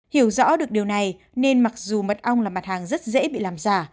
hiểu rõ được điều này nên mặc dù mật ong là mặt hàng rất dễ bị làm giả